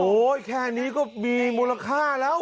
แค่นี้ก็มีมูลค่าแล้ว